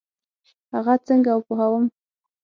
هغه څنګه وپوهوم؟